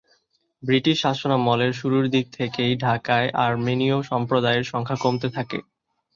British শাসনামলের শুরুর দিক থেকেই ঢাকায় আর্মেনীয় সম্প্রদায়ের সংখ্যা কমতে থাকে।